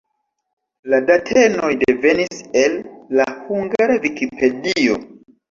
La datenoj devenis el la Hungara Vikipedio.